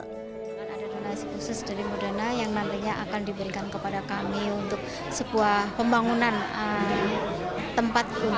dengan ada donasi khusus dari modena yang nantinya akan diberikan kepada kami untuk sebuah pembangunan tempat